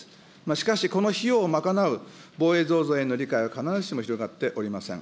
しかしこの費用を賄う防衛増税への理解は必ずしも広がっておりません。